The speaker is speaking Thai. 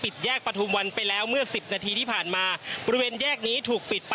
เจอเลยค่ะ